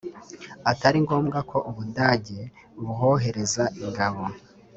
atari ngombwa ko u Budage buhohereza ingabo